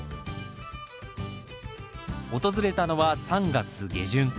訪れたのは３月下旬。